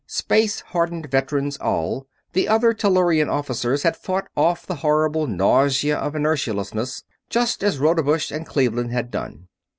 Space hardened veterans, all, the other Tellurian officers had fought off the horrible nausea of inertialessness, just as Rodebush and Cleveland had done.